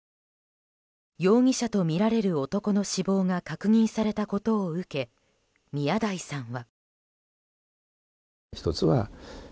容疑者とみられる男の死亡が確認されたことを受け宮台さんは。